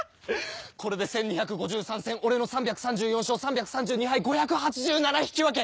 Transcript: これで１２５３戦俺の３３４勝３３２敗５８７引き分け！